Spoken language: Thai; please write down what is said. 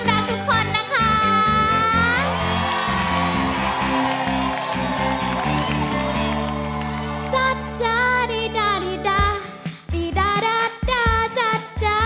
รักแท้ยังไงค่ะ